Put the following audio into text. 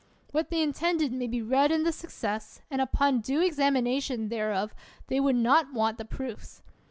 What they intended may be read in the success, and upon due examination thereof they would not want the proofs.